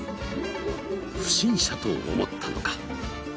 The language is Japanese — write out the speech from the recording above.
不審者と思ったのか。